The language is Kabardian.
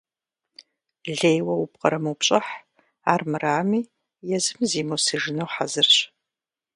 Лейуэ упкърымыупщӏыхь, армырами езым зиумысыжыну хьэзырщ.